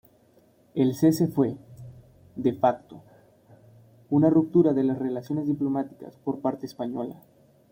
El cese fue, "de facto", una ruptura de las relaciones diplomáticas por parte española.